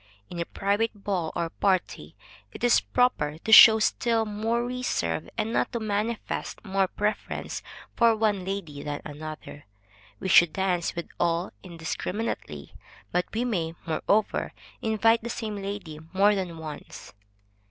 In a private ball or party, it is proper to show still more reserve, and not to manifest more preference for one lady than another; we should dance with all indiscriminately, but we may, moreover, invite the same lady more than once.